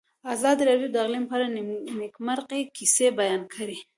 ازادي راډیو د اقلیم په اړه د نېکمرغۍ کیسې بیان کړې.